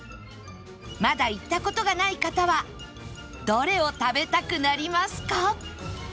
まだ行った事がない方はどれを食べたくなりますか？